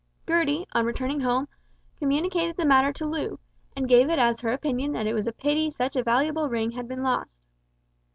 Gertie, on returning home, communicated the matter to Loo, and gave it as her opinion that it was a pity such a valuable ring had been lost.